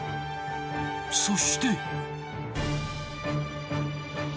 そして。